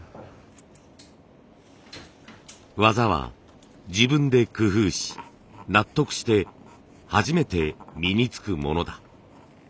技は自分で工夫し納得して初めて身につくものだ。